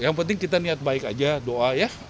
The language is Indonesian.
yang penting kita niat baik aja doa ya